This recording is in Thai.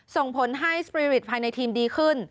ส่งผลให้สตรีริตภายในทีมดีขึ้น